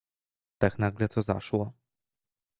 "Tak nagle to zaszło."